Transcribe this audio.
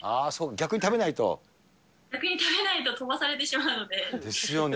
逆に食べないと飛ばされてしですよね。